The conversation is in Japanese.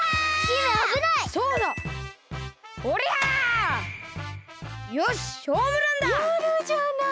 やるじゃない！